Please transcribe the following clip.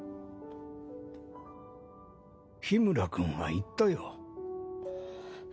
・緋村君は行ったよ。